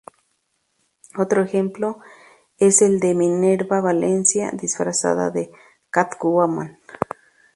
Otro ejemplo es el de Minerva Valencia, disfrazada de Catwoman.